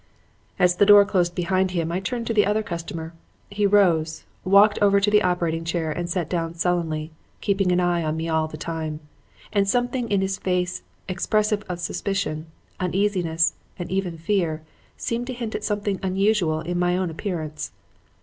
"As the door closed behind him I turned to the other customer. He rose, walked over to the operating chair and sat down sullenly, keeping an eye on me all the time; and something in his face expressive of suspicion, uneasiness and even fear seemed to hint at something unusual in my own appearance.